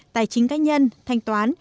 tài chính cá nhân thanh toán